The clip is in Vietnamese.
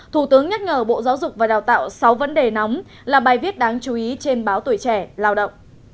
thủ tướng nhắc nhở bộ giáo dục và đào tạo sáu vấn đề nóng là bài viết đáng chú ý trên báo tuổi trẻ lao động